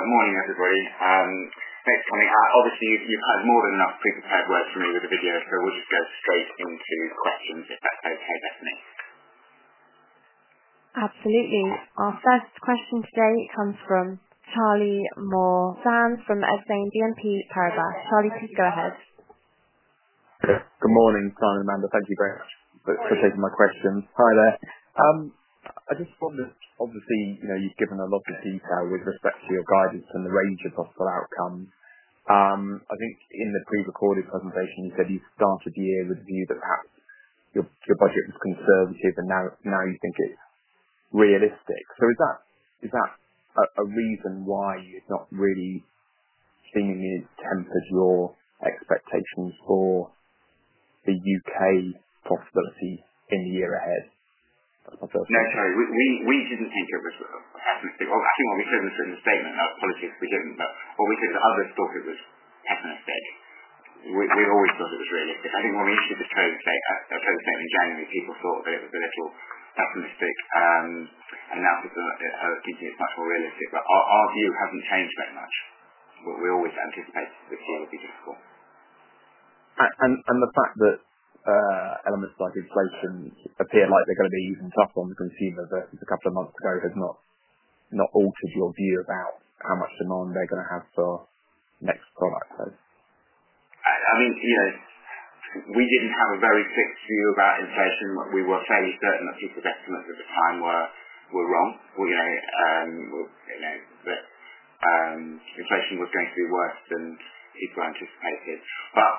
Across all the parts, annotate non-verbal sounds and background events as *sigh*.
Morning, everybody. Thanks for coming. Obviously, you've had more than enough pre-prepared words for me with the video, so we'll just go straight into questions if that's okay, Bethany. *audio distortion* Absolutely. Our first question today comes from Charlie Muir-Sands from Exane BNP Paribas. Charlie, please go ahead. Good morning, Simon and Amanda. Thank you very much for taking my questions. Hi there. I just wanted to obviously, you've given a lot of detail with respect to your guidance and the range of possible outcomes. I think in the pre-recorded presentation, you said you started the year with a view that perhaps your budget was conservative, and now you think it's realistic. So is that a reason why you've not really seemingly tempered your expectations for the U.K. possibility in the year ahead? No, sorry. We didn't think it was pessimistic. Well, actually, we said in a statement, apologies if we didn't, but we said that others thought it was pessimistic. We always thought it was realistic. I think when we initially just chose the statement in January, people thought that it was a little pessimistic, and now people are thinking it's much more realistic. But our view hasn't changed very much. We always anticipated the view would be difficult. The fact that elements like inflation appear like they're going to be even tougher on the consumer versus a couple of months ago has not altered your view about how much demand they're going to have for Next products, though? I mean, we didn't have a very fixed view about inflation. We were fairly certain that people's estimates at the time were wrong. Inflation was going to be worse than people anticipated. But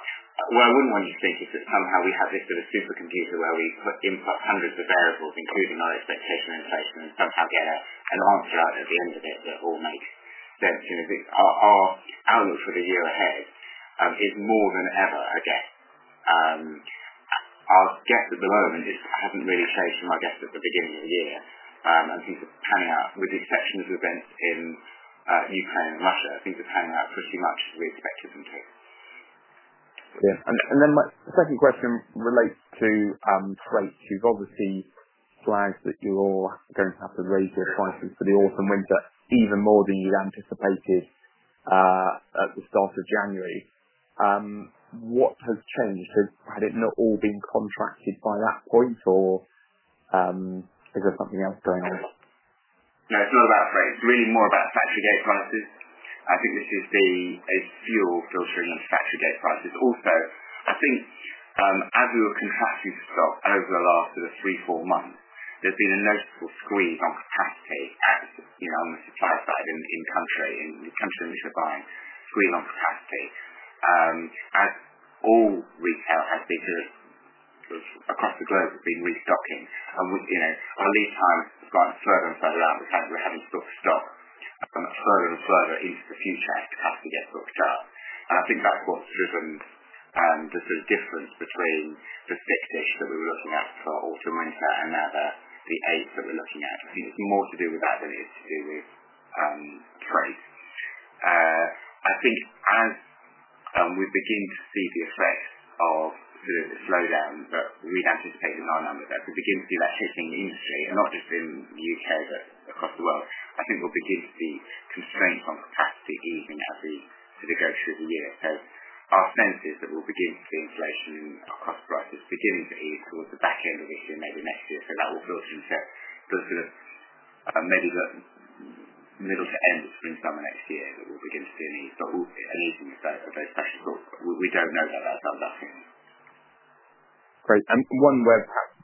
what I wouldn't want you to think is that somehow we have this sort of supercomputer where we put input hundreds of variables, including our expectation of inflation, and somehow get an answer out at the end of it that will make sense. Our outlook for the year ahead is more than ever, I guess. Our guess at the moment hasn't really changed from our guess at the beginning of the year. And things are panning out, with the exception of events in Ukraine and Russia, things are panning out pretty much as we expected them to. Yeah. And then my second question relates to freight. You've obviously flagged that you're all going to have to raise your prices for the autumn/winter even more than you anticipated at the start of January. What has changed? Had it not all been contracted by that point, or is there something else going on? No, it's not about freight. It's really more about factory gate prices. I think this is influencing factory gate prices. Also, I think as we were contracting stock over the last sort of three, four months, there's been a noticeable squeeze on capacity on the supply side in country and the country in which we're buying, squeeze on capacity. As all retail has been sort of across the globe has been restocking, our lead time has gone further and further out. We're having to book stock further and further into the future as capacity gets booked up. And I think that's what's driven the sort of difference between the fixed-ish that we were looking at for autumn/winter and now the rates that we're looking at. I think it's more to do with that than it is to do with freight. I think as we begin to see the effects of sort of the slowdown that we'd anticipated, not a number, that we begin to see that hitting the industry, and not just in the U.K., but across the world. I think we'll begin to see constraints on capacity easing as we sort of go through the year. So our sense is that we'll begin to see inflation and our cost prices beginning to ease towards the back end of this year, maybe next year. So that will filter into sort of maybe the middle to end of spring/summer next year that we'll begin to see an ease, but an easing of those pressure sources. We don't know that that's undoubtedly. Great. And one where perhaps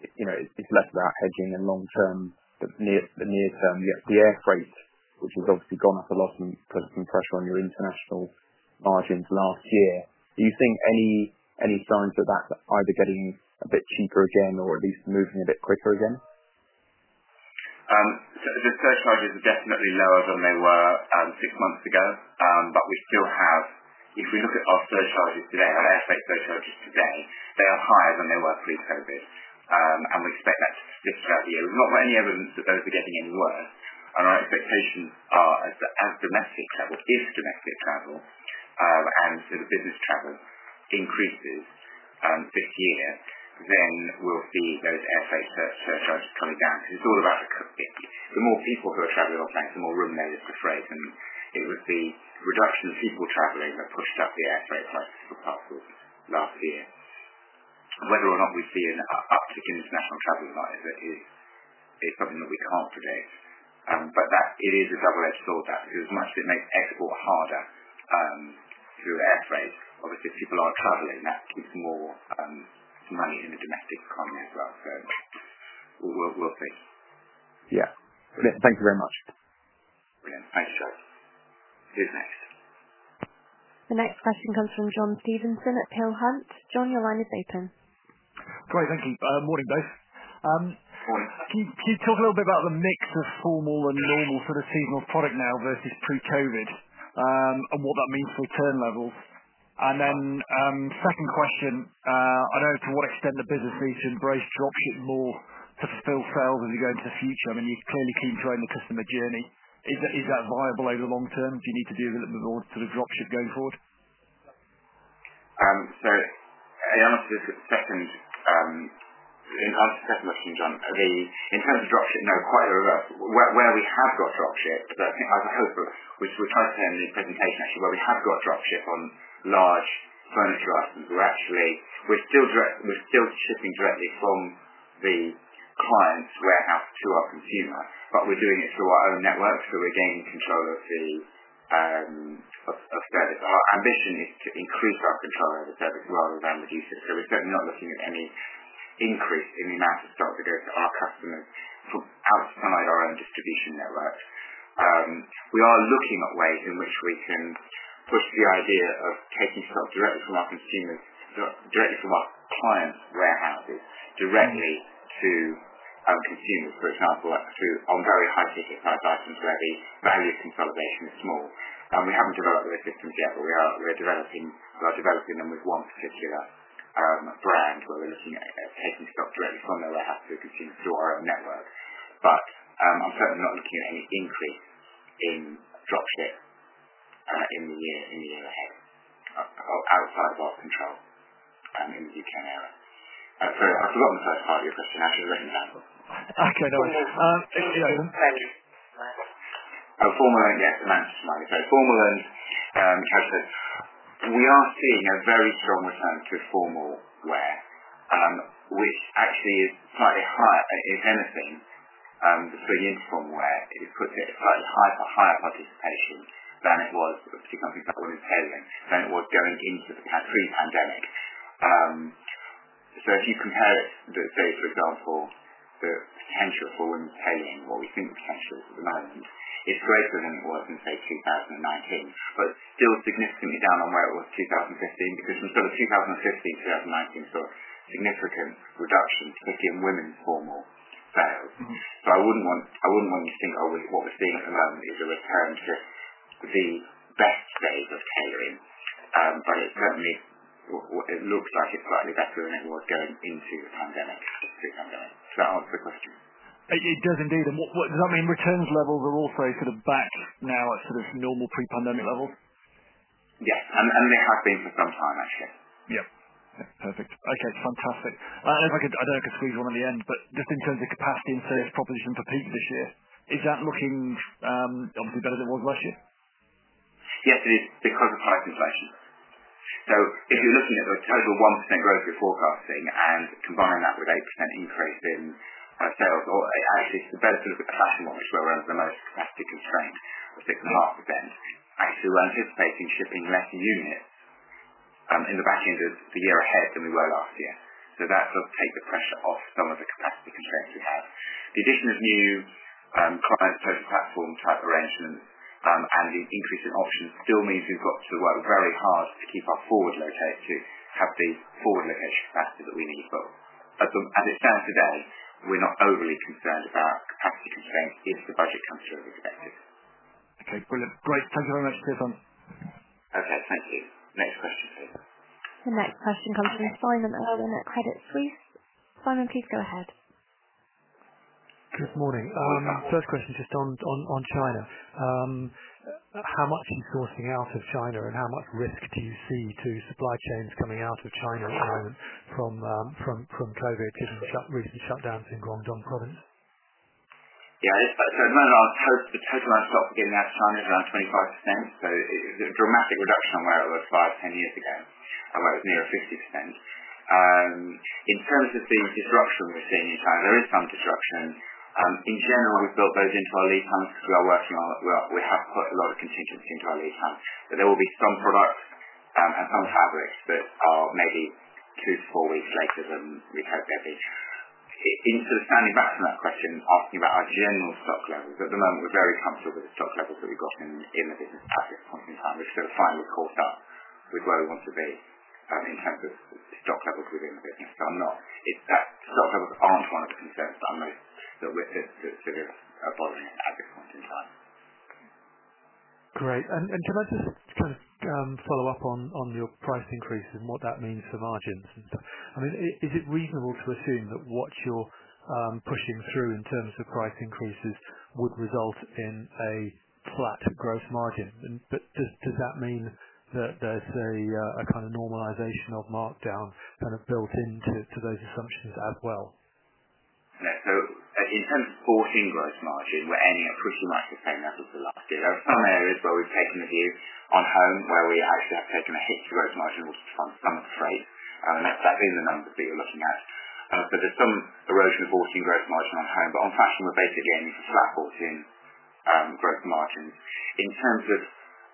it's less about hedging and long-term, the near-term, you have the air freight, which has obviously gone up a lot and put some pressure on your international margins last year. Do you think any signs that that's either getting a bit cheaper again or at least moving a bit quicker again? The surcharges are definitely lower than they were six months ago, but we still have, if we look at our surcharges today, our air freight surcharges today, they are higher than they were pre-COVID, and we expect that to stretch out the year. There's not any evidence that those are getting any worse, and our expectations are as domestic travel, if domestic travel and sort of business travel increases this year, then we'll see those air freight surcharges coming down. Because it's all about the more people who are traveling on flights, the more room there is for freight, and it was the reduction in people traveling that pushed up the air freight prices for passengers last year. Whether or not we see an uptick in international travel or not is something that we can't predict, but it is a double-edged sword, that. Because as much as it makes export harder through air freight, obviously if people aren't travelling, that keeps more money in the domestic economy as well. So we'll see. Yeah. Brilliant. Thank you very much. Brilliant. Thanks, Joe. Who's next? The next question comes from John Stevenson at Peel Hunt. John, your line is open. Great. Thank you. Morning, both. Morning. Can you talk a little bit about the mix of formal and normal sort of seasonal product now versus pre-COVID and what that means for return levels? And then, second question, I know to what extent the business needs to embrace dropship more to fulfill sales as you go into the future? I mean, you're clearly keen to own the customer journey. Is that viable over the long term? Do you need to do a little bit more sort of dropship going forward? So I'll answer this with a second. I'll answer the second question, John. In terms of dropship, no, quite the reverse. Where we have got dropship, as I hope, which we're trying to say in the presentation, actually, where we have got dropship on large furniture items, we're still shipping directly from the client's warehouse to our consumer, but we're doing it through our own network, so we're gaining control of the service. Our ambition is to increase our control over the service rather than reduce it. So we're certainly not looking at any increase in the amount of stock that goes to our customers outside our own distribution network. We are looking at ways in which we can push the idea of taking stock directly from our clients' warehouses directly to consumers, for example, on very high-ticket type items where the value consolidation is small. We haven't developed those systems yet, but we are developing them with one particular brand where we're looking at taking stock directly from their warehouse to consumers through our own network. But I'm certainly not looking at any increase in dropship in the year ahead outside of our control in the U.K. and Europe. Sorry, I forgot the first part of your question. I should have written it down. I can't always remember. Formal and yes, Amanda, just a moment. Sorry. Formal and characteristic. We are seeing a very strong return to formal wear, which actually is slightly higher, if anything, swinging into formal wear. It puts it slightly higher for higher participation than it was, particularly companies like women's tailoring, than it was going into the pre-pandemic. So if you compare it, say, for example, the potential for women's tailoring, what we think the potential is at the moment, it's greater than it was in, say, 2019, but still significantly down on where it was 2015. Because from sort of 2015 to 2019, we saw a significant reduction, particularly in women's formal sales. So I wouldn't want you to think, "Oh, what we're seeing at the moment is a return to the best days of tailoring." But it certainly looks like it's slightly better than it was going into the pre-pandemic. Does that answer the question? It does, indeed. And does that mean returns levels are also sort of back now at sort of normal pre-pandemic levels? Yes, and they have been for some time, actually. Yeah. Perfect. Okay. Fantastic. I don't know if I can squeeze one at the end, but just in terms of capacity and sales proposition for peak this year, is that looking obviously better than it was last year? Yes, it is because of price inflation. So if you're looking at the total 1% growth you're forecasting and combine that with 8% increase in sales, actually, it's the better sort of the capacity model, which we're under the most capacity constraint of 6.5%. Actually, we're anticipating shipping less units in the back end of the year ahead than we were last year. So that does take the pressure off some of the capacity constraints we have. The addition of new client-appropriate platform type arrangements and the increase in options still means we've got to work very hard to keep our forward locator, to have the forward location capacity that we need. But as it stands today, we're not overly concerned about capacity constraints if the budget comes through as expected. Okay. Brilliant. Great. Thank you very much, Stephen. Okay. Thank you. Next question, please. The next question comes from Simon Irwin at Credit Suisse. Simon, please go ahead. Good morning. First question just on China. How much are you sourcing out of China, and how much risk do you see to supply chains coming out of China at the moment from COVID, recent shutdowns in Guangdong Province? Yeah. So at the moment, the total amount of stock we're getting out of China is around 25%. So a dramatic reduction on where it was five, 10 years ago, where it was nearer 50%. In terms of the disruption we're seeing in China, there is some disruption. In general, we've built those into our lead times because we have put a lot of contingency into our lead times. But there will be some products and some fabrics that are maybe two-to-four weeks later than we'd hope there'd be. In sort of standing back from that question, asking about our general stock levels, at the moment, we're very comfortable with the stock levels that we've got in the business at this point in time. We're still fine. We've caught up with where we want to be in terms of stock levels within the business. Stock levels aren't one of the concerns that are most sort of bothering us at this point in time. Great. And can I just kind of follow up on your price increases and what that means for margins and stuff? I mean, is it reasonable to assume that what you're pushing through in terms of price increases would result in a flat gross margin? But does that mean that there's a kind of normalization of markdown kind of built into those assumptions as well? Yeah. So in terms of bought-in gross margin, we're ending up pretty much the same as last year. There are some areas where we've taken the view on home where we actually have taken a hit to gross margin or to some freight. That being the numbers that you're looking at. So there's some erosion of bought-in gross margin on home. But on fashion, we're basically ending up with flat bought-in gross margins. In terms of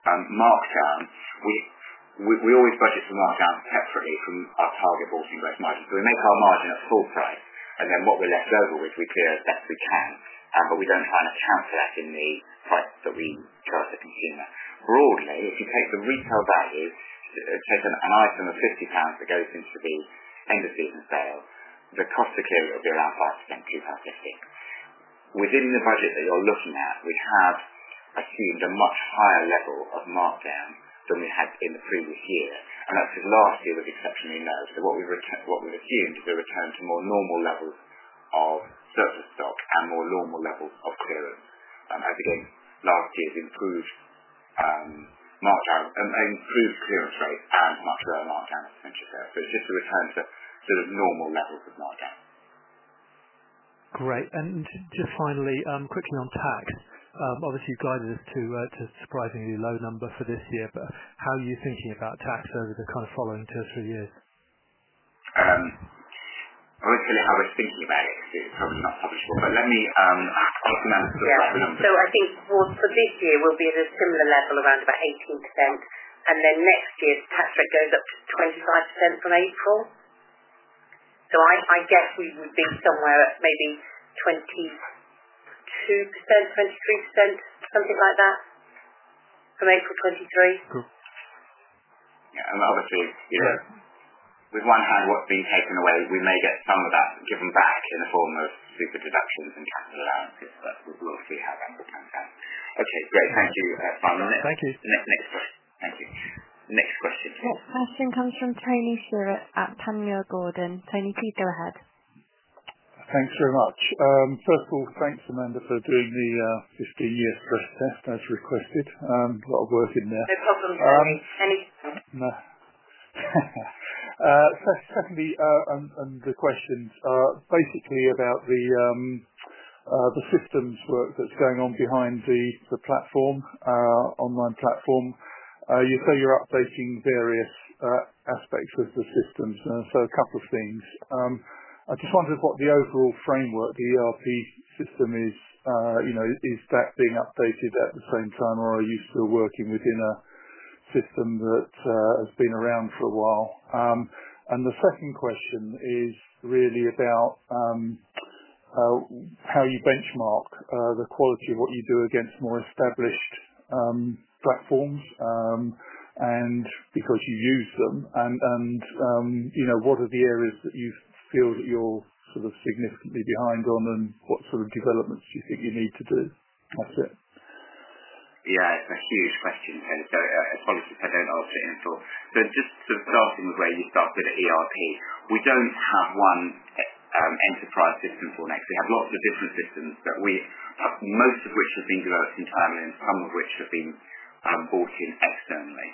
markdown, we always budget for markdown separately from our target bought-in gross margin. So we make our margin at full price, and then what we're left over with, we clear as best we can. But we don't try and account for that in the price that we charge the consumer. Broadly, if you take the retail value, take an item of £50 that goes into the end-of-season sale, the cost to clear it will be around 5%, 2.5%. Within the budget that you're looking at, we have assumed a much higher level of markdown than we had in the previous year. And that's because last year was exceptionally low. So what we've assumed is a return to more normal levels of surplus stock and more normal levels of clearance. And that's again, last year's improved clearance rate and much lower markdown potential there. So it's just a return to sort of normal levels of markdown. Great. And just finally, quickly on tax. Obviously, you've guided us to a surprisingly low number for this year, but how are you thinking about tax over the kind of following two or three years? I won't tell you how we're thinking about it because it's probably not publishable, but let me ask Amanda to look up the numbers. I think for this year, we'll be at a similar level, around about 18%. And then next year, tax rate goes up to 25% from April. So I guess we would be somewhere at maybe 22%, 23%, something like that from April 2023. Yeah, and obviously, with one hand, what's being taken away, we may get some of that given back in the form of super-deductions and capital allowances, but we'll see how that all comes out. Okay. Great. Thank you, Simon. Thank you. Next question. Thank you. Next question, please. *crosstalk* *audio distortion* This question comes from Tony Shiret at Panmure Gordon. Tony, please go ahead. Thanks very much. First of all, thanks, Amanda, for doing the 15-year stress test as requested. A lot of work in there. No problem, Tony. Any. No. Secondly, the questions are basically about the systems work that's going on behind the platform, online platform. You say you're updating various aspects of the systems. So a couple of things. I just wondered what the overall framework, the ERP system is, is that being updated at the same time, or are you still working within a system that has been around for a while? And the second question is really about how you benchmark the quality of what you do against more established platforms because you use them. And what are the areas that you feel that you're sort of significantly behind on, and what sort of developments do you think you need to do? That's it. Yeah. It's a huge question. So apologies if I don't answer it in full. So just sort of starting with where you started with the ERP, we don't have one enterprise system for Next. We have lots of different systems, most of which have been developed internally and some of which have been bought in externally,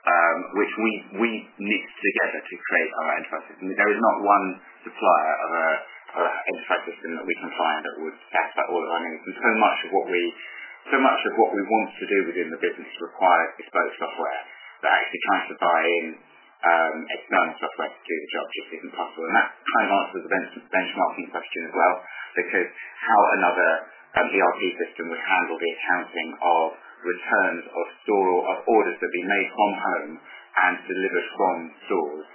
which we knit together to create our enterprise system. There is not one supplier of an enterprise system that we can find that would satisfy all of our needs. And so much of what we want to do within the business requires bespoke software. But actually trying to buy in external software to do the job just isn't possible. And that kind of answers the benchmarking question as well. Because how another ERP system would handle the accounting of returns of orders that have been made from home and delivered from stores,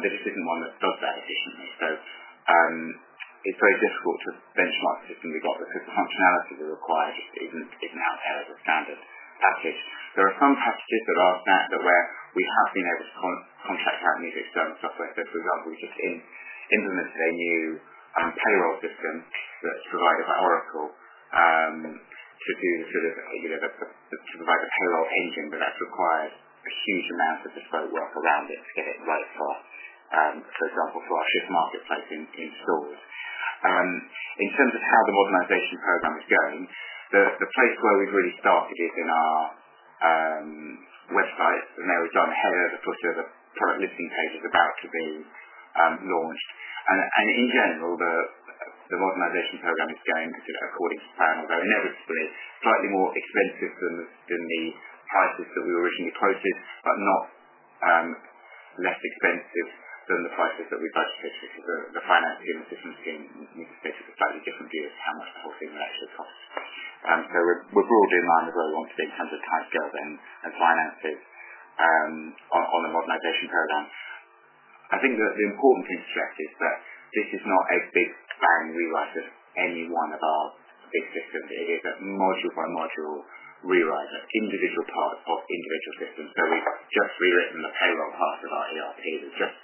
there just isn't one that does that efficiently. So it's very difficult to benchmark the system we've got because the functionality we require just isn't out there as a standard package. There are some packages that are out there where we have been able to contract out new external software. So for example, we've just implemented a new payroll system that's provided by Oracle to provide the payroll engine, but that's required a huge amount of bespoke work around it to get it right, for example, for our Shift Marketplace in stores. In terms of how the modernization program is going, the place where we've really started is in our website. There we've done a header, the footer, the product listing pages about to be launched. In general, the modernization program is going according to plan, although inevitably slightly more expensive than the prices that we originally quoted, but not less expensive than the prices that we budgeted because the finance team and systems team need to stay to a slightly different view of how much the whole thing will actually cost. We're broadly in line with where we want to be in terms of time scale and finances on the modernization program. I think that the important thing to stress is that this is not a big bang rewrite of any one of our big systems. It is a module-by-module rewrite of individual parts of individual systems. We've just rewritten the payroll part of our ERP that's just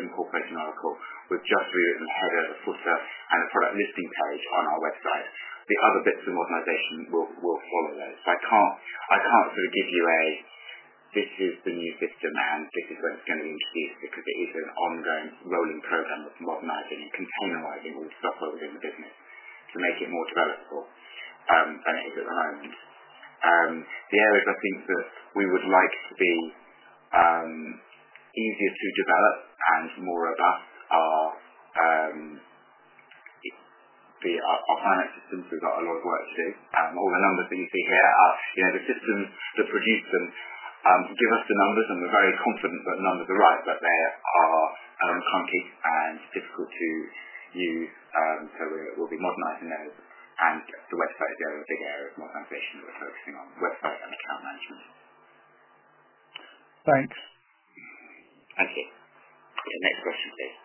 incorporating Oracle. We've just rewritten the header, the footer, and the product listing page on our website. The other bits of modernization will follow those. So I can't sort of give you a, "This is the new system, and this is when it's going to be introduced," because it is an ongoing rolling program of modernizing and containerizing all the software within the business to make it more developable than it is at the moment. The areas I think that we would like to be easier to develop and more robust are our finance systems. We've got a lot of work to do. All the numbers that you see here are the systems that produce them. Give us the numbers, and we're very confident that the numbers are right, but they are clunky and difficult to use. So we'll be modernizing those. The website is the other big area of modernization that we're focusing on, website and account management. Thanks. Thank you. Okay. Next question, please.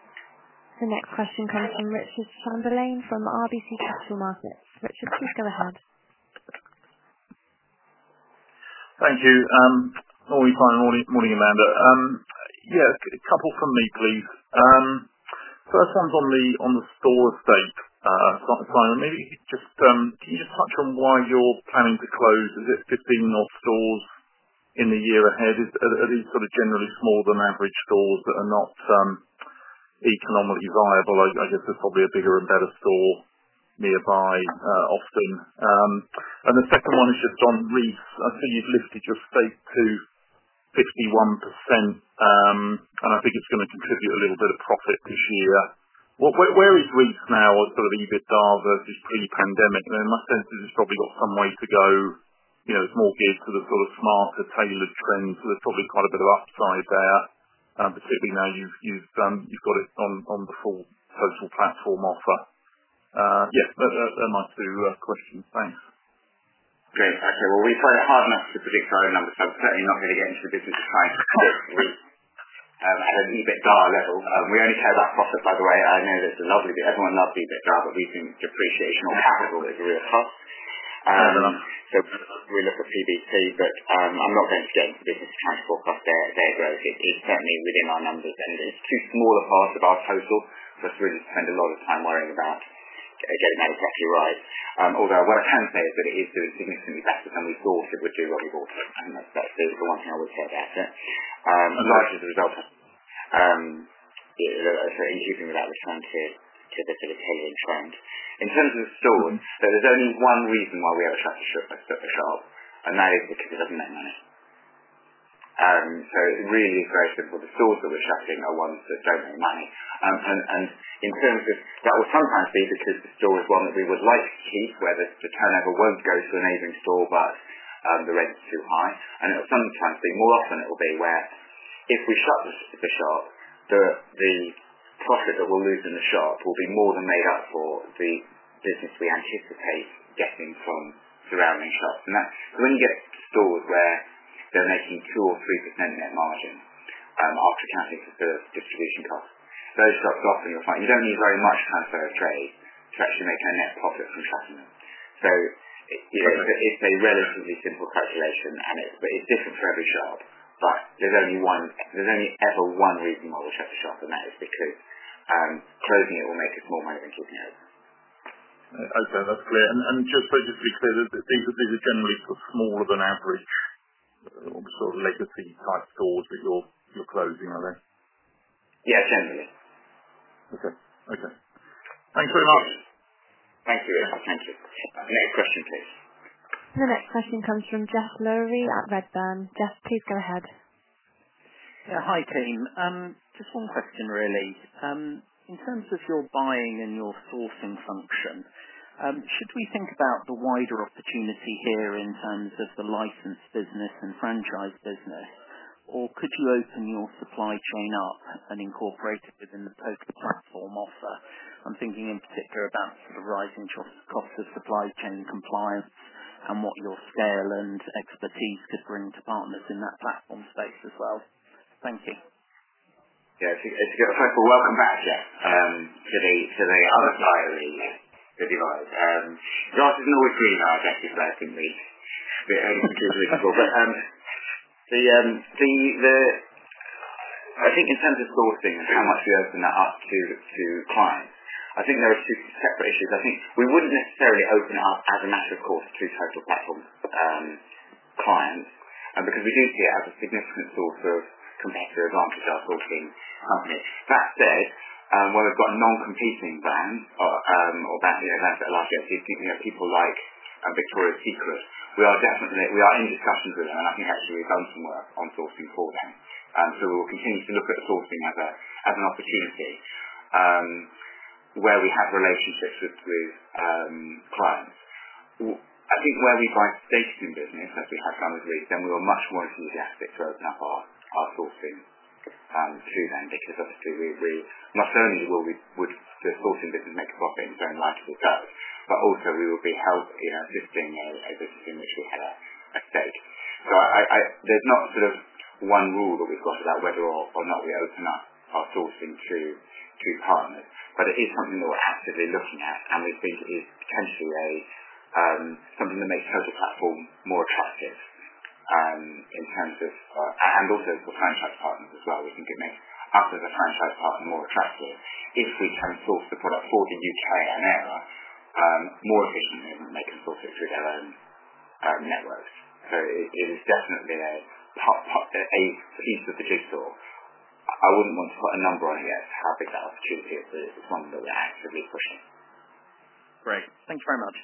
The next question comes from Richard Chamberlain from RBC Capital Markets. Richard, please go ahead. Thank you. Morning, Simon. Morning, Amanda. Yeah. A couple from me, please. First one's on the store estate. Simon, maybe you could just touch on why you're planning to close 15 or so stores in the year ahead? Are these sort of generally smaller-than-average stores that are not economically viable?I guess there's probably a bigger and better store nearby, often. And the second one is just on Reiss. I see you've lifted your stake to 51%, and I think it's going to contribute a little bit of profit this year. Where is Reiss now as sort of EBITDA versus pre-pandemic? In my sense, it's probably got some way to go. It's more geared to the sort of smarter, tailored trends. So there's probably quite a bit of upside there, particularly now you've got it on the full Total Platform offer. Yeah. Those are my two questions. Thanks. Great. Okay. Well, we've tried hard enough to predict our own numbers, so I'm certainly not going to get into the business of trying to cost Reiss at an EBITDA level. We only care about profit, by the way. I know that it's a lovely bit everyone loves EBITDA, but we think depreciation or capital is a real cost. So we look at PBT, but I'm not going to get into the business of trying to forecast their growth. It's certainly within our numbers, and it's too small a part of our total for us to really spend a lot of time worrying about getting that exactly right. Although what I can say is that it is doing significantly better than we thought it would do when we bought it. And that's the one thing I would say about it. And largely as a result, increasingly that return to the tailoring trend. In terms of the stores, there is only one reason why we ever shut a shop, and that is because it doesn't make money. So it really is very simple. The stores that we're shutting are ones that don't make money. And in terms of that will sometimes be because the store is one that we would like to keep, where the turnover won't go to a neighboring store, but the rent's too high. And it'll sometimes be more often it will be where if we shut the shop, the profit that we'll lose in the shop will be more than made up for the business we anticipate getting from surrounding shops. And that's when you get stores where they're making 2 or 3% net margin after accounting for the distribution costs. Those shops often you'll find you don't need very much transfer of trade to actually make a net profit from shutting them. So it's a relatively simple calculation, and it's different for every shop, but there's only one reason why we shut the shop, and that is because closing it will make us more money than keeping it open. Okay. That's clear and just to be clear, these are generally sort of smaller-than-average sort of legacy-type stores that you're closing, are they? Yeah. Generally. Okay. Okay. Thanks very much. Thank you. Thank you. Next question, please. The next question comes from Geoff Lowery at Redburn. Geoff, please go ahead. Yeah. Hi, Team. Just one question, really. In terms of your buying and your sourcing function, should we think about the wider opportunity here in terms of the license business and franchise business, or could you open your supply chain up and incorporate it within the Total Platform offer? I'm thinking in particular about sort of rising costs of supply chain compliance and what your scale and expertise could bring to partners in that platform space as well. Thank you. Yeah. To give a thankful welcome back to the other side of the divide. The answer's not always clear in our objectives, but I think we've been through some difficult. But I think in terms of sourcing and how much we open that up to clients, I think there are two separate issues. I think we wouldn't necessarily open it up as a matter of course to Total Platform clients because we do see it as a significant source of competitive advantage to our sourcing company. That said, when we've got non-competing brands or brands that are largely people like Victoria's Secret, we are definitely in discussions with them, and I think actually we've done some work on sourcing for them. So we'll continue to look at sourcing as an opportunity where we have relationships with clients. I think where we've invested in a business, as we have done with Reiss, then we were much more enthusiastic to open up our sourcing to them because obviously we not only would the sourcing business make a profit in its own right as it does, but also we would be helping in assisting a business in which we had a stake. So there's not sort of one rule that we've got about whether or not we open up our sourcing to partners, but it is something that we're actively looking at, and we think it is potentially something that makes Total Platform more attractive in terms of and also for franchise partners as well. We think it makes us as a franchise partner more attractive if we can source the product for the U.K. and Europe more efficiently than they can source it through their own networks. So it is definitely a piece of the jigsaw. I wouldn't want to put a number on here as to how big that opportunity is, but it's one that we're actively pushing. Great. Thank you very much.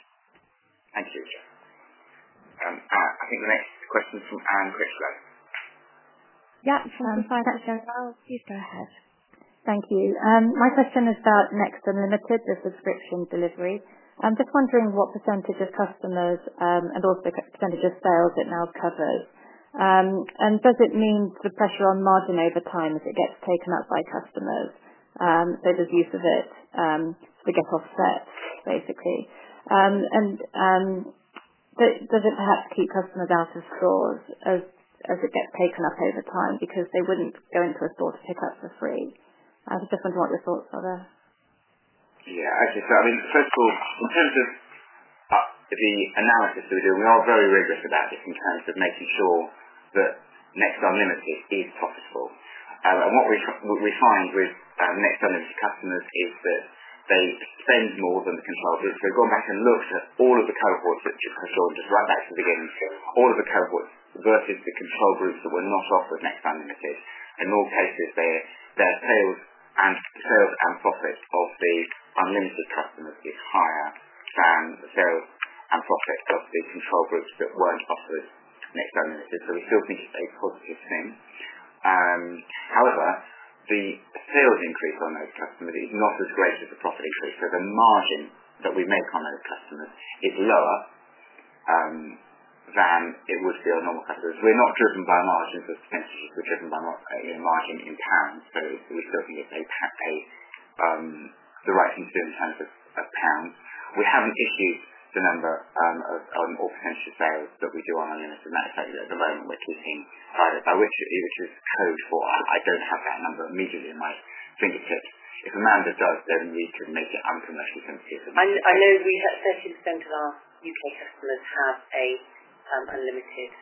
Thank you, Jeff. I think the next question's from Anne Critchlow. Yeah. From Société Générale. Please go ahead. Thank you. My question is about Next Unlimited, the subscription delivery. I'm just wondering what percentage of customers and also percentage of sales it now covers. And does it mean the pressure on margin over time as it gets taken up by customers? So there's use of it to get offset basically. And does it perhaps keep customers out of stores as it gets taken up over time because they wouldn't go into a store to pick up for free? I just wonder what your thoughts are there. Yeah. Okay, so I mean, first of all, in terms of the analysis that we're doing, we are very rigorous about this in terms of making sure that Next Unlimited is profitable. And what we find with Next Unlimited customers is that they spend more than the control groups, so we've gone back and looked at all of the cohorts that we saw just right back at the beginning. All of the cohorts versus the control groups that were not offered Next Unlimited. In all cases, their sales and profit of the unlimited customers is higher than the sales and profit of the control groups that weren't offered Next Unlimited, so we still think it's a positive thing. However, the sales increase on those customers is not as great as the profit increase. So the margin that we make on those customers is lower than it would be on normal customers. We're not driven by margins as potentially we're driven by margin in pounds. So we still think it's the right thing to do in terms of pounds. We haven't issued the number of potential sales that we do on unlimited. And that is actually at the moment we're keeping back, which is code for I don't have that number immediately at my fingertips. If Amanda does, then we could make it not commercially sensitive. I know we have 13% of our U.K. customers have an unlimited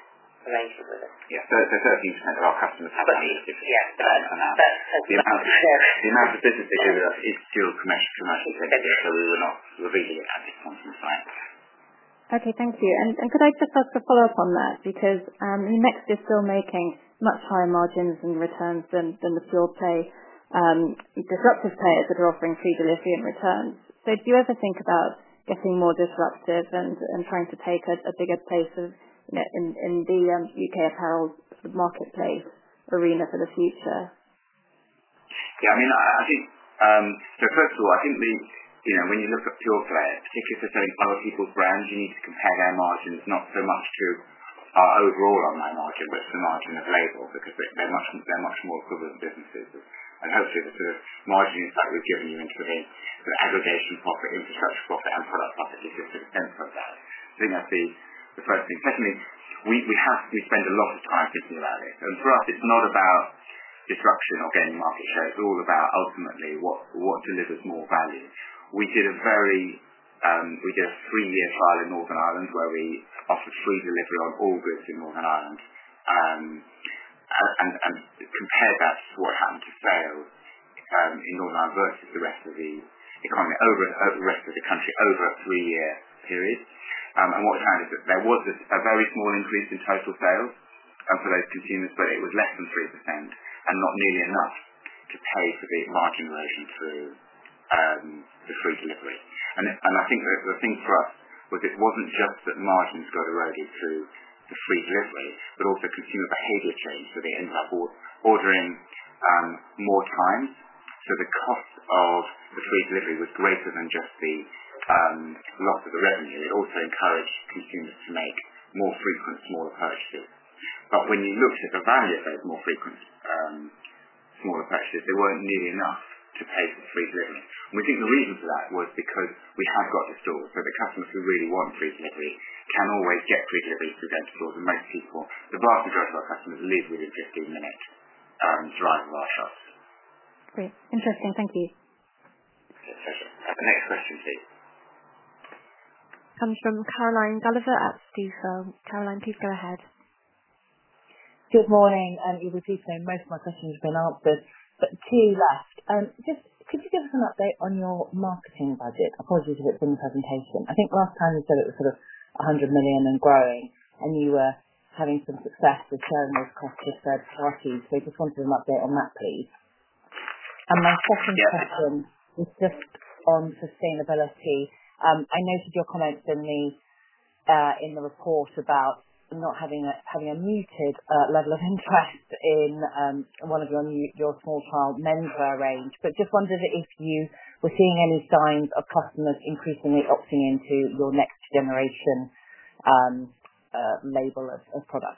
arrangement with us. Yeah, so 13% of our customers have unlimited. But yeah. The amount of business they do with us is still commercially sensitive. So we're really at this point in time. Okay. Thank you. And could I just ask a follow-up on that? Because Next is still making much higher margins and returns than the disruptive players that are offering free delivery and returns. So do you ever think about getting more disruptive and trying to take a bigger place in the U.K. apparel marketplace arena for the future? Yeah. I mean, I think so first of all, I think when you look at pure players, particularly if they're selling other people's brands, you need to compare their margins not so much to our overall online margin, but to the margin of Label because they're much more equivalent businesses. And hopefully, the sort of margin effect we've given you into the aggregation profit, infrastructure profit, and product profit is just an end product. I think that's the first thing. Secondly, we spend a lot of time thinking about this. And for us, it's not about disruption or gaining market share. It's all about ultimately what delivers more value. We did a three-year trial in Northern Ireland where we offered free delivery on all goods in Northern Ireland and compared that to what happened to sales in Northern Ireland versus the rest of the economy over the rest of the country over a three-year period. What we found is that there was a very small increase in total sales for those consumers, but it was less than 3% and not nearly enough to pay for the margin erosion through the free delivery. I think the thing for us was it wasn't just that margins got eroded through the free delivery, but also consumer behavior changed. They ended up ordering more times. The cost of the free delivery was greater than just the loss of the revenue. It also encouraged consumers to make more frequent, smaller purchases. But when you looked at the value of those more frequent, smaller purchases, they weren't nearly enough to pay for the free delivery. And we think the reason for that was because we have got the stores. So the customers who really want free delivery can always get free delivery through those stores. And most people, the vast majority of our customers live within a 15-minute drive of our shops. Great. Interesting. Thank you. It's a pleasure. Next question, please. Comes from Caroline Gulliver at Stifel, Caroline, please go ahead. Good morning. It was interesting. Most of my questions have been answered, but two left. Just could you give us an update on your marketing budget? Apologies if it's in the presentation. I think last time you said it was sort of 100 million and growing, and you were having some success with sharing those costs with third parties. So I just wanted an update on that, please. My second question is just on sustainability. I noted your comments in the report about not having a muted level of interest in one of your small childrenswear range. But just wondered if you were seeing any signs of customers increasingly opting into your next-generation Label product.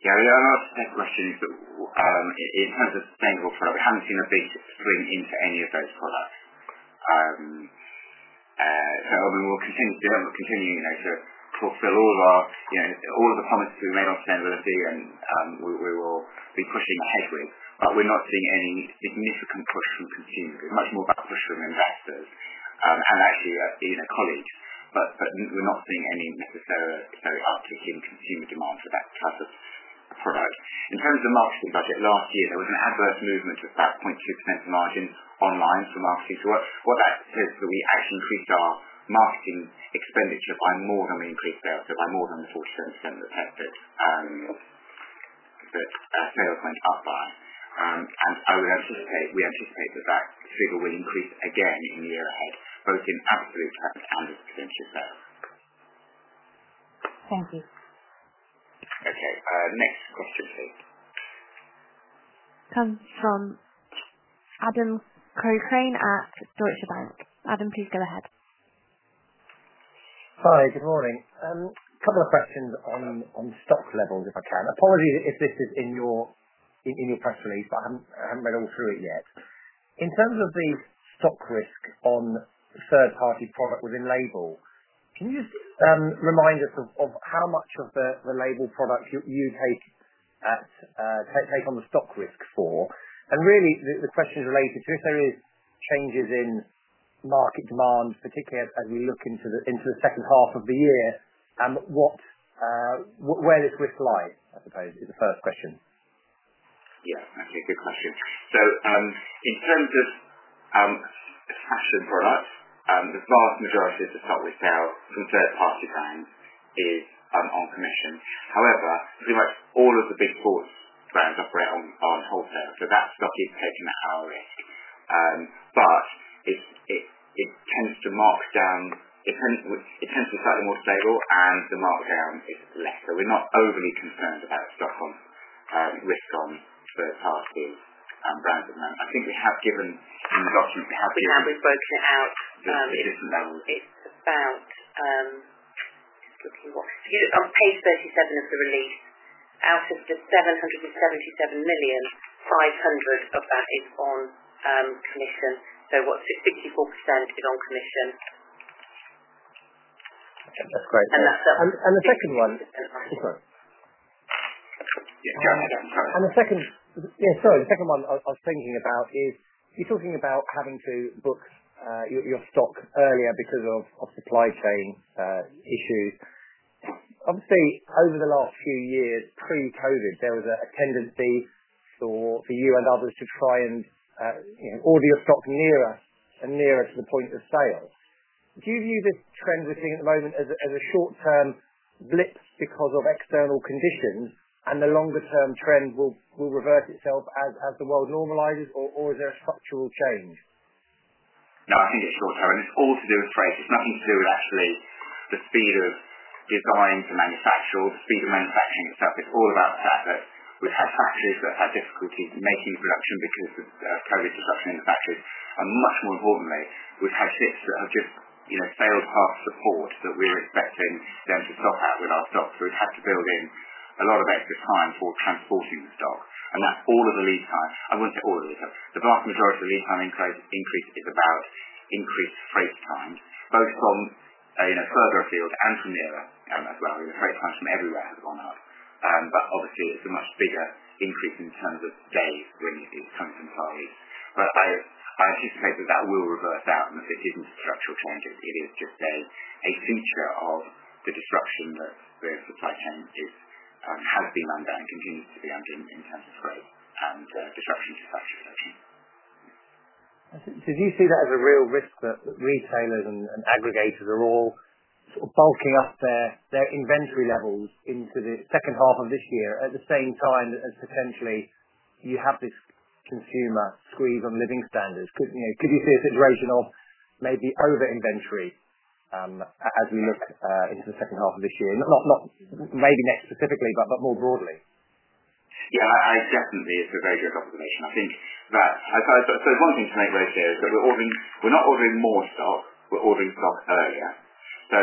Yeah. I mean, our next question is that in terms of sustainable product, we haven't seen a big swing into any of those products. So I mean, we'll continue to fulfill all of the promises we made on sustainability, and we will be pushing ahead with. But we're not seeing any significant push from consumers. It's much more about push from investors and actually colleagues. But we're not seeing any necessarily uptick in consumer demand for that type of product. In terms of the marketing budget, last year there was an adverse movement of about 0.2% margin online for marketing to work. What that says is that we actually increased our marketing expenditure by more than we increased sales. So by more than the 47% that sales went up by. We anticipate that that figure will increase again in the year ahead, both in absolute terms and as a percentage of sales. Thank you. Okay. Next question, please. Comes from Adam Cochrane at Deutsche Bank. Adam, please go ahead. Hi. Good morning. A couple of questions on stock levels if I can. Apologies if this is in your press release, but I haven't read all through it yet. In terms of the stock risk on third-party product within Label, can you just remind us of how much of the Label product you take on the stock risk for? And really, the question is related to if there are changes in market demand, particularly as we look into the second half of the year, and where this risk lies, I suppose, is the first question. Yeah. Okay. Good question. So in terms of fashion products, the vast majority of the stock we sell from third-party brands is on commission. However, pretty much all of the big sports brands operate on wholesale. So that stock is taken at our risk. But it tends to mark down. It tends to be slightly more stable, and the markdown is less. So we're not overly concerned about stock risk on third-party brands at the moment. I think we have given in the document. Can we break it out? It's just a different level. It's about just looking what on page 37 of the release, out of the 777 million, 500 million of that is on commission. So what's 64% is on commission. That's great, and the second one. And the second one. Sorry. Yeah. Go ahead. The second one I was thinking about is you're talking about having to book your stock earlier because of supply chain issues. Obviously, over the last few years pre-COVID, there was a tendency for you and others to try and order your stock nearer and nearer to the point of sale. Do you view this trend we're seeing at the moment as a short-term blip because of external conditions, and the longer-term trend will revert itself as the world normalizes, or is there a structural change? No. I think it's short-term, and it's all to do with trade. It's nothing to do with actually the speed of design to manufacture or the speed of manufacturing itself. It's all about the fact that we've had factories that have had difficulties making production because of COVID disruption in the factories, and much more importantly, we've had ships that have just failed past support that we're expecting them to stock out with our stock, so we've had to build in a lot of extra time for transporting the stock, and that's all of the lead time. I wouldn't say all of the lead time. The vast majority of the lead time increase is about increased freight times, both from further afield and from nearer as well. Freight times from everywhere have gone up. But obviously, it's a much bigger increase in terms of days when it's coming from far east. But I anticipate that that will reverse out. And if it isn't a structural change, it is just a feature of the disruption that the supply chain has been under and continues to be under in terms of freight and disruption to factory production. So do you see that as a real risk that retailers and aggregators are all sort of bulking up their inventory levels into the second half of this year at the same time as potentially you have this consumer squeeze on living standards? Could you see a situation of maybe over-inventory as we look into the second half of this year? Not maybe Next specifically, but more broadly. Yeah. It's definitely a very good observation. I think that so one thing to make very clear is that we're not ordering more stock. We're ordering stock earlier. So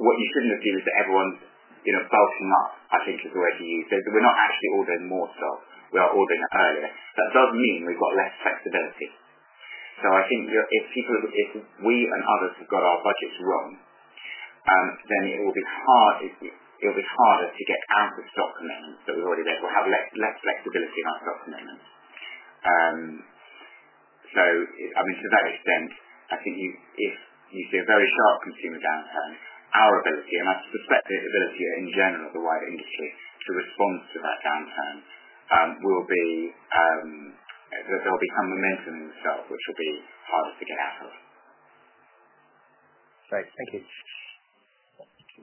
what you shouldn't have seen is that everyone's bulking up, I think, is the way to use. We're not actually ordering more stock. We are ordering earlier. That does mean we've got less flexibility. So I think if we and others have got our budgets wrong, then it will be harder to get out of stock commitments that we've already made. We'll have less flexibility in our stock commitments. So I mean, to that extent, I think if you see a very sharp consumer downturn, our ability, and I suspect the ability in general of the wider industry to respond to that downturn, will be that there'll be some momentum in the stock, which will be harder to get out of. Great. Thank you. Next question.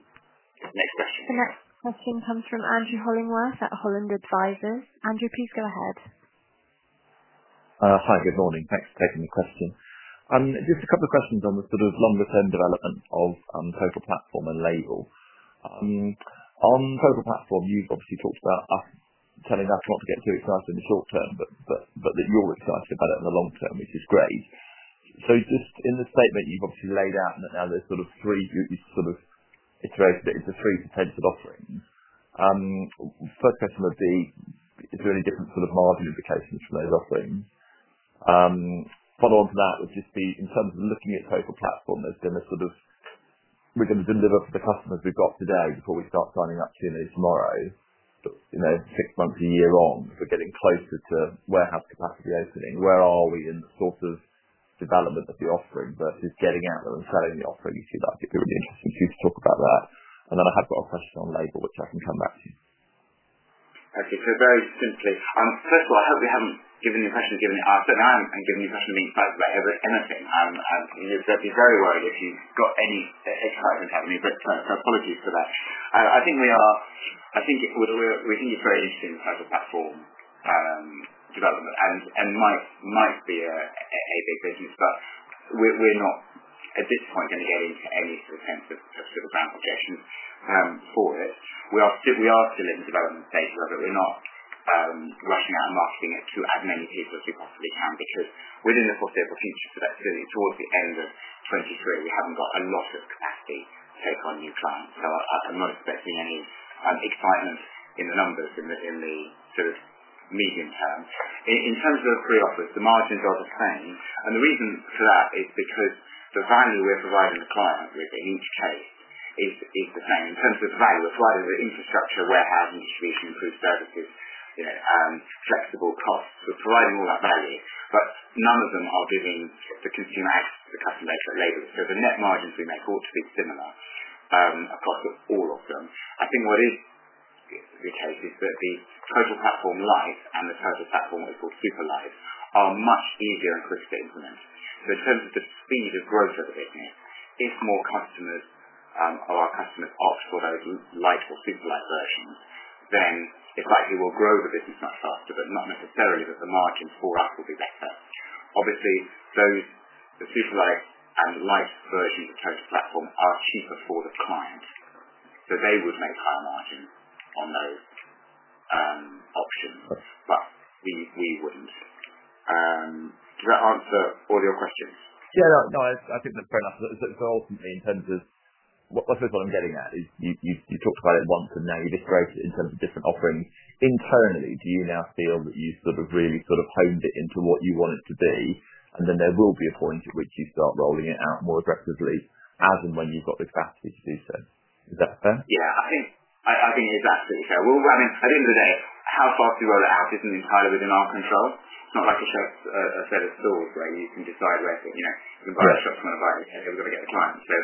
The next question comes from Andrew Hollingworth at Holland Advisors. Andrew, please go ahead. Hi. Good morning. Thanks for taking the question. Just a couple of questions on the sort of longer-term development of Total Platform and Label. On Total Platform, you've obviously talked about us telling us not to get too excited in the short term, but that you're excited about it in the long term, which is great. So just in the statement, you've obviously laid out that now there's sort of three you've sort of iterated it into three potential offerings. First question would be, is there any different sort of margin implications from those offerings? Follow-on to that would just be in terms of looking at Total Platform, there's been a sort of we're going to deliver for the customers we've got today before we start signing up, you know, tomorrow. But six months, a year on, we're getting closer to warehouse capacity opening. Where are we in the sort of development of the offering versus getting out there and selling the offering, if you like? It'd be really interesting for you to talk about that. And then I have got a question on Label, which I can come back to. Okay, so very simply, first of all, I hope we haven't given the impression of giving it our certain eye and given the impression of being flattered by everything or anything. I mean, you'd be very worried if you've got any excitement happening, but apologies for that. I think we think it's very interesting in terms of platform development and might be a big business, but we're not at this point going to get into any sort of tentative sort of brand projections for it. We are still in the development stage of it, but we're not rushing out and marketing it to as many people as we possibly can because within the foreseeable future, towards the end of 2023, we haven't got a lot of capacity to take on new clients. So I'm not expecting any excitement in the numbers in the sort of medium term. In terms of pre-offers, the margins are the same. And the reason for that is because the value we're providing the client with in each case is the same. In terms of the value, we're providing the infrastructure, warehousing, distribution, improved services, flexible costs. We're providing all that value, but none of them are giving the consumer access to the customer base that Label's. So the net margins we make ought to be similar across all of them. I think what is the case is that the Total Platform Lite and the Total Platform Super Lite are much easier and quicker to implement. So in terms of the speed of growth of the business, if more customers or our customers opt for those Lite or Super Lite versions, then it's likely we'll grow the business much faster, but not necessarily that the margins for us will be better. Obviously, the Super Lite and Lite versions of Total Platform are cheaper for the client. So they would make higher margins on those options, but we wouldn't. Does that answer all your questions? Yeah. No. I think that's fair enough. So ultimately, in terms of I suppose what I'm getting at is you've talked about it once, and now you've iterated it in terms of different offerings. Internally, do you now feel that you've sort of really sort of honed it into what you want it to be? And then there will be a point at which you start rolling it out more aggressively, as and when you've got the capacity to do so. Is that fair? Yeah. I think it is absolutely fair. I mean, at the end of the day, how fast you roll it out isn't entirely within our control. It's not like a set of stores where you can decide whether you can buy a shop from another and say, "Hey, we've got to get the client." So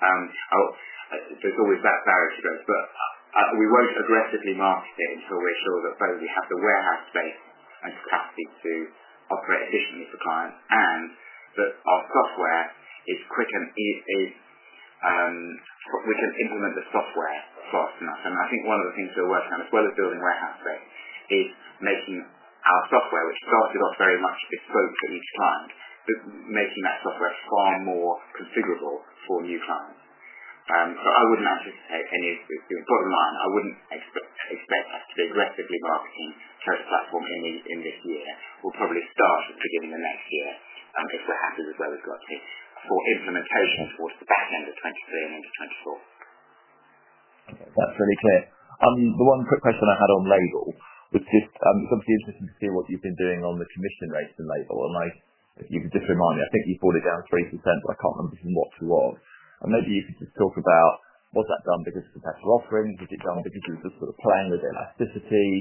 there's always that barrier to growth. But we won't aggressively market it until we're sure that both we have the warehouse space and capacity to operate efficiently for clients and that our software is quick and we can implement the software fast enough. And I think one of the things we're working on, as well as building warehouse space, is making our software, which started off very much bespoke for each client, making that software far more configurable for new clients. So I wouldn't anticipate any bottom line. I wouldn't expect us to be aggressively marketing Total Platform in this year. We'll probably start at the beginning of next year, if we're happy with where we've got to, for implementation towards the back end of 2023 and into 2024. Okay. That's really clear. The one quick question I had on Label was just it's obviously interesting to see what you've been doing on the commission rates in Label. And you could just remind me. I think you've brought it down 3%, but I can't remember from what to what. And maybe you could just talk about was that done because of competitive offerings? Was it done because you were just sort of playing with elasticity?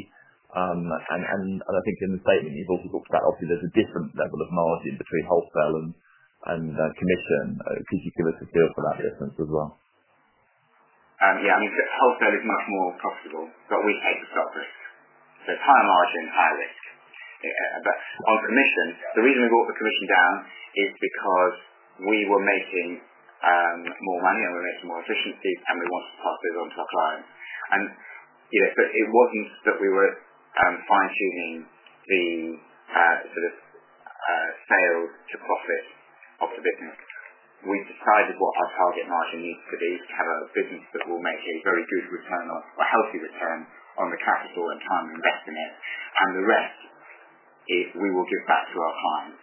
And I think in the statement, you've also talked about, obviously, there's a different level of margin between wholesale and commission. Could you give us a feel for that difference as well? Yeah. I mean, wholesale is much more profitable, but we hate the stock risk, so it's higher margin, higher risk, but on commission, the reason we brought the commission down is because we were making more money, and we were making more efficiency, and we wanted to pass those on to our clients, and so it wasn't that we were fine-tuning the sort of sales to profit of the business. We decided what our target margin needs to be to have a business that will make a very good return or a healthy return on the capital and time invested in it, and the rest, we will give back to our clients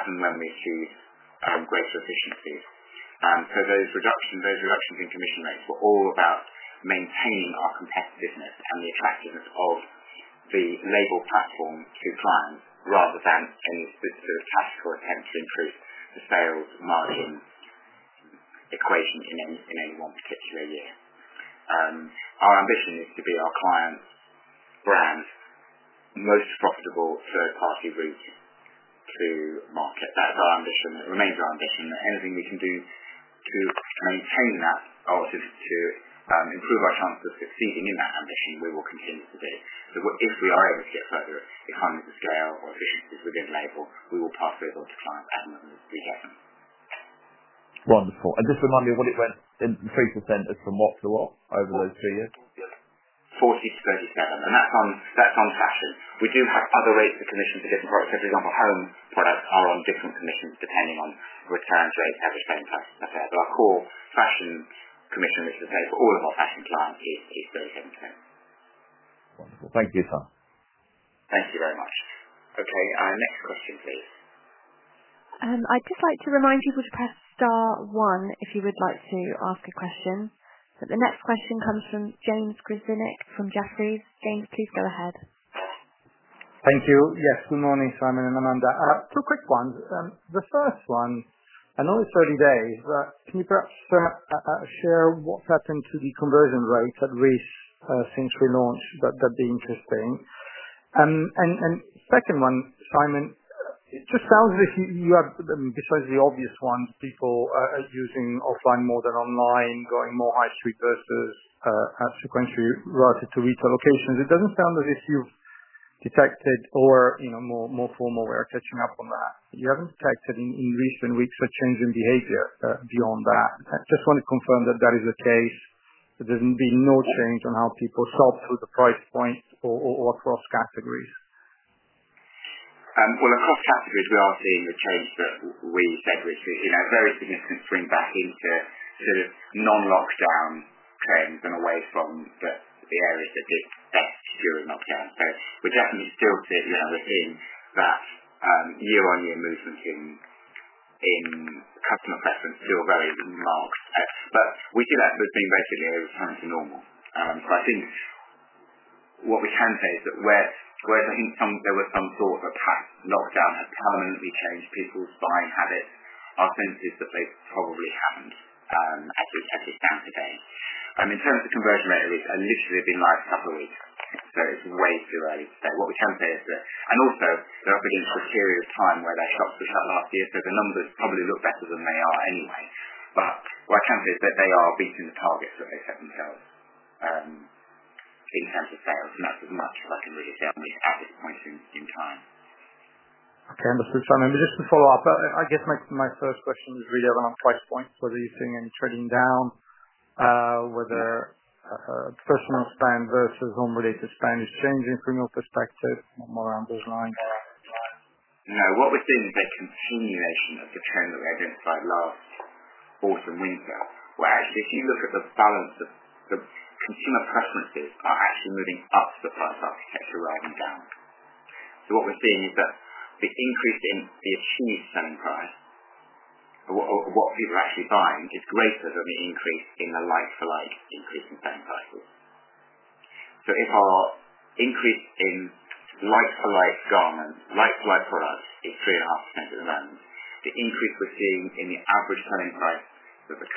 as and when we achieve greater efficiencies. And so those reductions in commission rates were all about maintaining our competitive business and the attractiveness of the Label platform to clients rather than any sort of tactical attempt to increase the sales margin equation in any one particular year. Our ambition is to be our client's brand's most profitable third-party route to market. That is our ambition. It remains our ambition. Anything we can do to maintain that or to improve our chances of succeeding in that ambition, we will continue to do. So if we are able to get further economies of scale or efficiencies within Label, we will pass those on to clients as and when we see fit. Wonderful. And just remind me, what did 3% as from what to what over those three years? 40%-37%. That's on fashion. We do have other rates of commission for different products. For example, home products are on different commissions depending on returns rates at the same price. That's fair. Our core fashion commission, which is paid for all of our fashion clients, is 37%. Wonderful. Thank you, sir. Thank you very much. Okay. Next question, please. I'd just like to remind people to press star one if you would like to ask a question. But the next question comes from James Grzinic from Jefferies. James, please go ahead. Thank you. Yes. Good morning, Simon and Amanda. Two quick ones. The first one, I know it's early days, but can you perhaps share what's happened to the conversion rates at Reiss since we launched? That'd be interesting. And second one, Simon, it just sounds as if you have, besides the obvious ones, people using offline more than online, going more high street versus sequentially routed to retail locations. It doesn't sound as if you've detected or more formal way of catching up on that. You haven't detected in recent weeks a change in behavior beyond that. Just want to confirm that that is the case. There's been no change on how people shop through the price point or across categories. Across categories, we are seeing a change that we said was a very significant swing back into sort of non-lockdown trends and away from the areas that did best during lockdown. So we're definitely still within that year-on-year movement in customer preference, still very marked. But we see that as being basically a return to normal. So I think what we can say is that whereas I think there was some sort of a past lockdown had permanently changed people's buying habits, our sense is that they probably haven't as of now today. In terms of conversion rate, it literally has been like a couple of weeks. So it's way too early to say. What we can say is that and also, they're up against a period of time where their shops were shut last year. So the numbers probably look better than they are anyway. But what I can say is that they are beating the targets that they set themselves in terms of sales. And that's as much as I can really say at this point in time. Okay. Mr. Simon, just to follow up, I guess my first question is really around price points. Whether you're seeing any trending down, whether personal spend versus home-related spend is changing from your perspective? More around those lines? No. What we're seeing is a continuation of the trend that we identified last autumn/winter, where actually, if you look at the balance of the consumer preferences, they are actually moving up the price architecture rather than down. So what we're seeing is that the increase in the achieved selling price of what people are actually buying is greater than the increase in the like-for-like increase in selling prices. So if our increase in like-for-like garments, like-for-like products is 3.5% at the moment, the increase we're seeing in the average selling price of the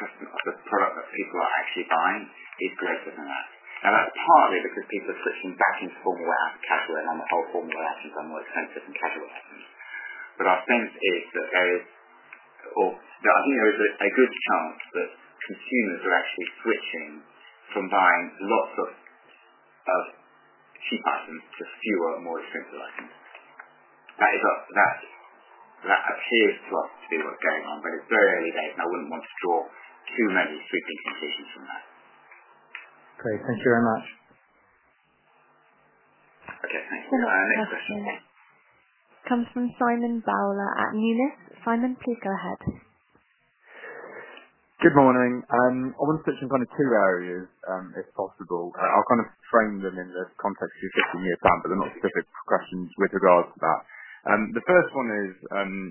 product that people are actually buying is greater than that. Now, that's partly because people are switching back into formal wear and casual, and on the whole, formal wear has become more expensive than casual items. But our sense is that there is or I think there is a good chance that consumers are actually switching from buying lots of cheap items to fewer, more expensive items. That appears to us to be what's going on, but it's very early days, and I wouldn't want to draw too many sweeping conclusions from that. Great. Thank you very much. Okay. Thanks. Next question. Comes from Simon Bowler at Numis. Simon, please go ahead. Good morning. I want to touch on kind of two areas, if possible. I'll kind of frame them in the context of your 15 years down, but they're not specific questions with regards to that. The first one is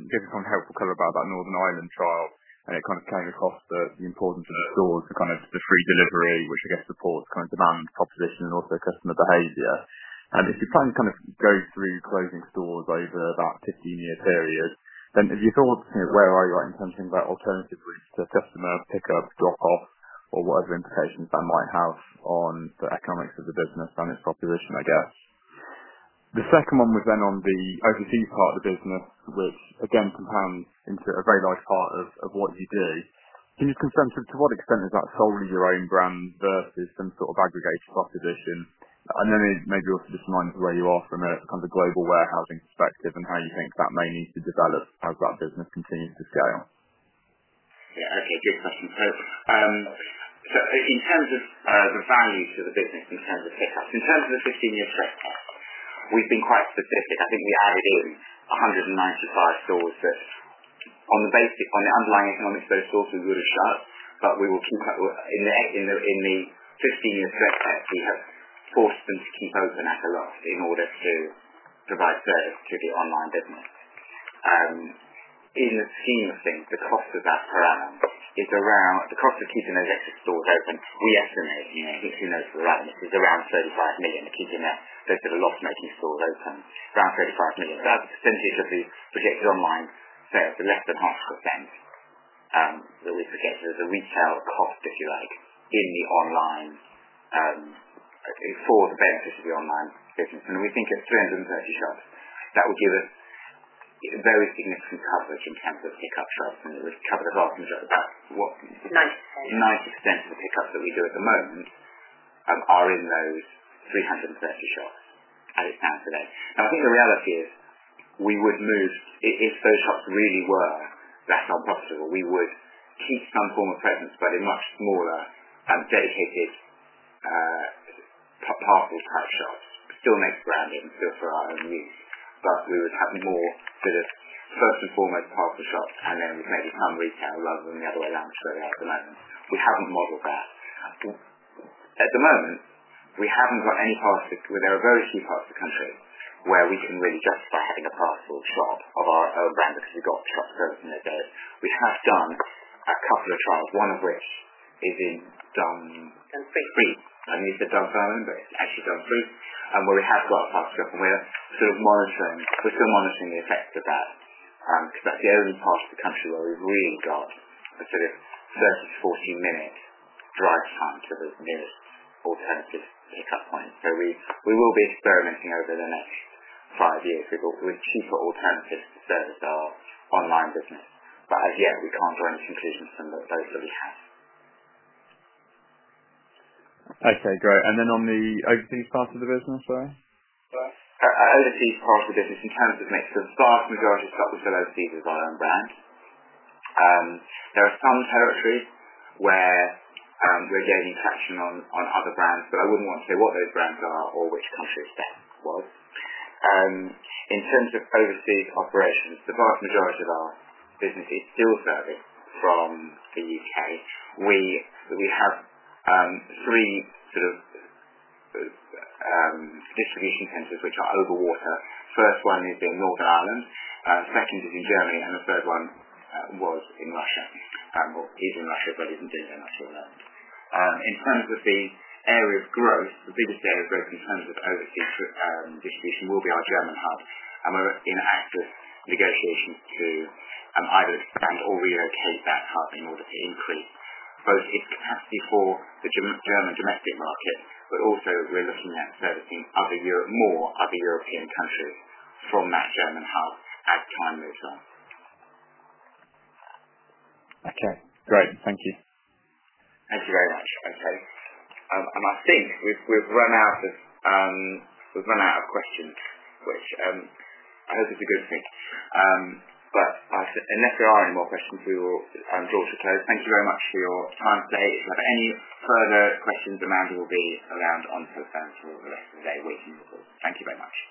getting some helpful color about that Northern Ireland trial, and it kind of came across the importance of the stores, the kind of the free delivery, which I guess supports kind of demand proposition and also customer behaviour. And if you're planning to kind of go through closing stores over that 15-year period, then if you thought, "Where are you at in terms of things like alternative routes to customer pickup, drop-off, or whatever implications that might have on the economics of the business and its proposition?" I guess. The second one was then on the overseas part of the business, which again compounds into a very large part of what you do. Can you just confirm to what extent is that solely your own brand versus some sort of aggregated proposition, and then maybe also just remind us where you are from a kind of global warehousing perspective and how you think that may need to develop as that business continues to scale. Yeah. Okay. Good question. So in terms of the value to the business in terms of pickups, in terms of the 15-year stress test, we've been quite specific. I think we added in 195 stores that on the underlying economics of those stores we would have shut, but we will keep in the 15-year stress test. We have forced them to keep open at a loss in order to provide service to the online business. In the scheme of things, the cost of that per annum is around the cost of keeping those extra stores open, we estimate. I think who knows per annum, it is around 35 million to keep those sort of loss-making stores open, around 35 million. That's the percentage of the projected online sales, the less than 0.5% that we projected as a retail cost, if you like, for the benefit of the online business. We think at 330 shops, that would give us very significant coverage in terms of pickup shops, and it would cover the vast majority of that. 90%. 90% of the pickups that we do at the moment are in those 330 shops as it stands today. Now, I think the reality is we would move, if those shops really were less unprofitable, we would keep some form of presence, but in much smaller dedicated parcel-type shops, still make branding, still for our own use, but we would have more sort of first and foremost parcel shops and then maybe some retail rather than the other way around we're doing at the moment. We haven't modeled that. At the moment, there are very few parts of the country where we can really justify having a parcel shop of our own brand because we've got shop service in those areas. We have done a couple of trials, one of which is in Dumfries. Dunfree. Free. I didn't use the Dumfries, but it's actually Dumfries, where we have got a parcel shop, and we're sort of still monitoring the effect of that because that's the only part of the country where we've really got a sort of 30-40-minute drive time to the nearest alternative pickup point, so we will be experimenting over the next five years with cheaper alternatives to serve our online business, but as yet, we can't draw any conclusions from those that we have. Okay. Great. And then on the overseas part of the business, sorry? Overseas part of the business, in terms of mix, the vast majority of stuff we sell overseas is our own brand. There are some territories where we're gaining traction on other brands, but I wouldn't want to say what those brands are or which country it was. In terms of overseas operations, the vast majority of our business is still serving from the U.K.. We have three sort of distribution centres which are over water. First one is in Northern Ireland, second is in Germany, and the third one was in Russia or is in Russia, but isn't in Denmark or Ireland. In terms of the area of growth, the biggest area of growth in terms of overseas distribution will be our German hub, and we're in active negotiations to either expand or relocate that hub in order to increase both its capacity for the German domestic market, but also we're looking at servicing more other European countries from that German hub as time moves on. Okay. Great. Thank you. Thank you very much. Okay. And I think we've run out of questions, which I hope is a good thing. But unless there are any more questions, we will draw to a close. Thank you very much for your time today. If you have any further questions, Amanda will be around on her phone for the rest of the day waiting for you. Thank you very much.